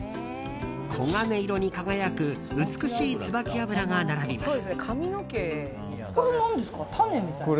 黄金色に輝く美しいツバキ油が並びます。